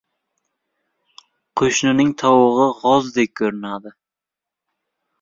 • Qo‘shnining tovug‘i g‘ozdek ko‘rinadi.